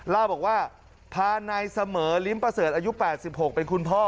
เล่าบอกว่าพานายเสมอลิ้มประเสริฐอายุ๘๖เป็นคุณพ่อ